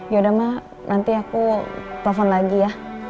yaudah mah nanti aku telepon lagi ya